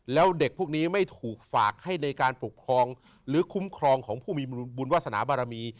แล้วเด็กพวกนี้ไม่ถูกฝากให้ในการปกครองหรือคุ้มครองของผู้มีบุญวาสนาบารมี